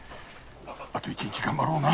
あと１日頑張ろうな。